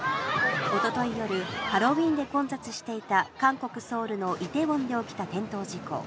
一昨日夜、ハロウィーンで混雑していた韓国ソウルのイテウォンで起きた転倒事故。